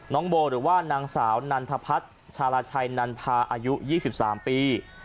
น้องโบหรือว่านางสาวนันทพัฒน์ชาราชัยนันพาอายุ๒๓ปี